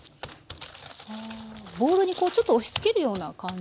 ボウルにこうちょっと押しつけるような感じなんですね。